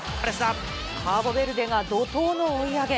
カーボベルデが怒とうの追い上げ。